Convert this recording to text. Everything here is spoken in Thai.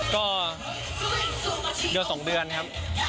ก็เดี๋ยวสองเดือนครับ